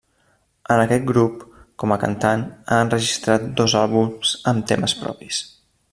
En aquest grup, com a cantant, ha enregistrat dos àlbums amb temes propis.